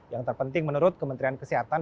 yang terpenting menurut kementerian kesehatan